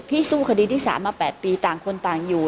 สู้คดีที่๓มา๘ปีต่างคนต่างอยู่